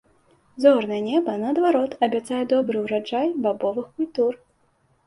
Зорнае неба, наадварот, абяцае добры ўраджай бабовых культур.